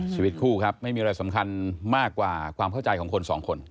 ชีวิตคู่ครับไม่มีอะไรสำคัญมากกว่าความเข้าใจของคนสองคน